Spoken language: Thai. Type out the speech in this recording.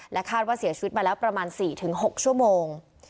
คาดว่าเสียชีวิตมาแล้วประมาณ๔๖ชั่วโมง